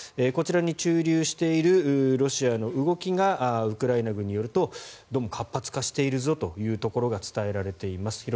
こちらに駐留しているロシア軍の動きがウクライナ軍によるとどうも活発化しているということが伝えられています。